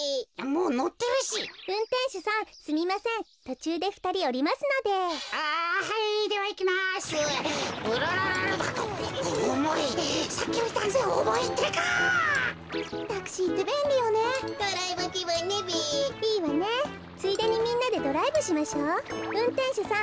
うんてんしゅさん。